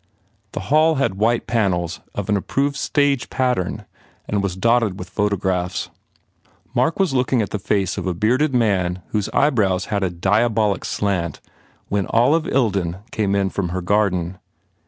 The hall had white panels of an approved stage pattern and was dotted with photographs. Mark was looking at the face of a bearded man whose eyebrows had a diabolic slant when Olive Ilden came in from her garden.